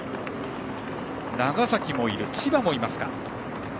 長崎もいて、千葉もいます。